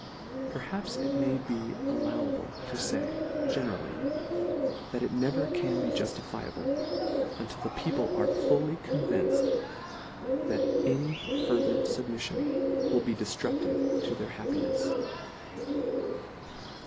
Per haps it may be allowable to fay, generally, that it never can be juftifiable, until the peo ple are fully convinced, that any fur ther fubmiflion will be deftrudtive to their happinefs.